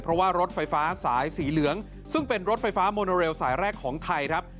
เพราะว่ารถไฟฟ้าสายสีเหลืองซึ่งเป็นรถไฟฟ้าโมโนเรลสายแรกของไทยครับ